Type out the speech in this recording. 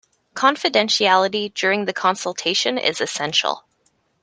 Confidentiality during the consultation is essential